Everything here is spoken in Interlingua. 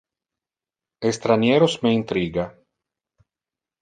Estranieros me intriga.